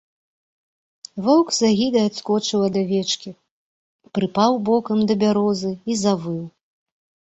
Воўк з агідай адскочыў ад авечкі, прыпаў бокам да бярозы і завыў.